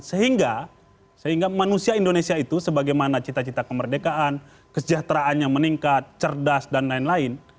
sehingga sehingga manusia indonesia itu sebagaimana cita cita kemerdekaan kesejahteraannya meningkat cerdas dan lain lain